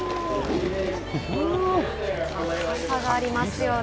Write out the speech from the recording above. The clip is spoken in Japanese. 高さがありますよね。